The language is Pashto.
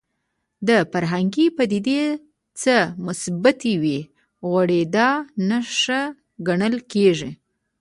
دا فرهنګي پدیدې که مثبتې وي غوړېدا نښه ګڼل کېږي